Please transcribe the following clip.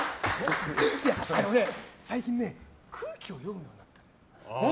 最近ね空気を読むようになったの。